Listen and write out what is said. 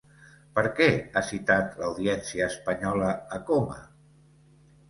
Per què ha citat l'Audiència espanyola a Coma?